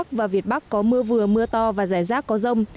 tại bắc có mưa vừa mưa to và rải rác có rông